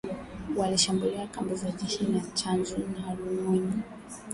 walishambulia kambi za jeshi la Tchanzu na Runyonyi